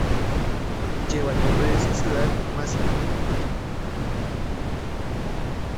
Lleva el nombre de su ciudad más importante.